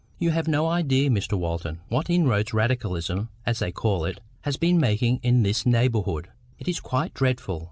You have no idea, Mr Walton, what inroads Radicalism, as they call it, has been making in this neighbourhood. It is quite dreadful.